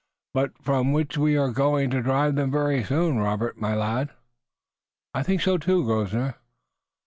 "But from which we are going to drive them very soon, Robert, my lad." "I think so, too, Grosvenor."